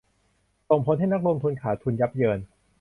ส่งผลให้นักลงทุนขาดทุนยับเยิน